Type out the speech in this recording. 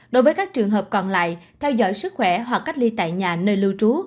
đối với các trường hợp còn lại theo dõi sức khỏe hoặc cách ly tại nhà nơi lưu trú